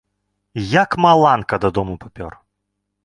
Як маланка, да дому папёр.